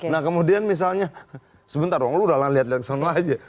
nah kemudian misalnya sebentar dong lu udah lah lihat lihat kesana aja